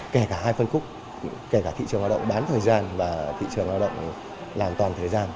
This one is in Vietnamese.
kể cả hai phân khúc kể cả thị trường lao động bán thời gian và thị trường lao động làm toàn thời gian